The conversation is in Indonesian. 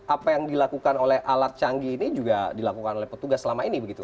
apa yang dilakukan oleh alat canggih ini juga dilakukan oleh petugas selama ini begitu